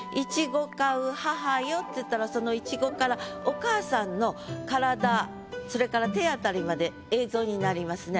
「苺買ふ母よ」っていったらその苺からお母さんの体それから手辺りまで映像になりますね。